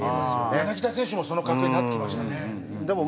柳田選手もその格になってきましたね。